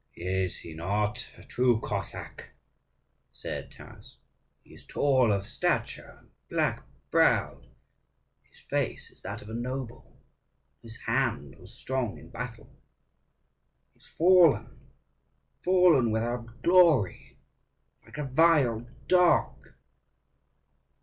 "Is he not a true Cossack?" said Taras; "he is tall of stature, and black browed, his face is that of a noble, and his hand was strong in battle! He is fallen! fallen without glory, like a vile dog!"